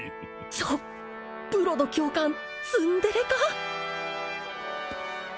ちょっブロド教官ツンデレか！？